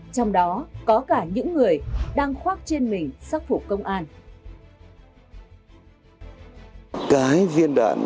trong đó có cả những người đang khoác trên mình sắc phục công an